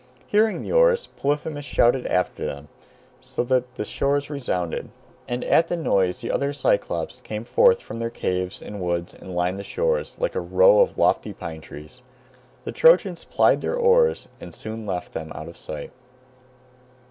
Hearing the oars, Polyphemus shouted after them, so that the shores resounded, and at the noise the other Cyclopes came forth from their caves and woods and lined the shore, like a row of lofty pine trees. The Trojans plied their oars and soon left them out of sight.